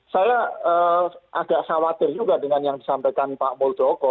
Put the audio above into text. saya agak khawatir juga dengan yang disampaikan pak muldoko